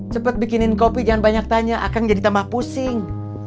cepat bikinin kopi jangan banyak tanya akan jadi tambah pusing